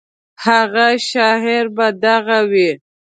هغه شاعر به دغه وي.